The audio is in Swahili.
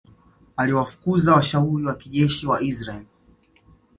Aliwafukuza washauri wa kijeshi wa Israel